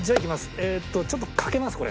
えっとちょっと賭けますこれ。